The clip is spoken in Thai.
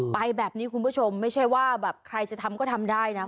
ไปแบบนี้คุณผู้ชมไม่ใช่ว่าแบบใครจะทำก็ทำได้นะ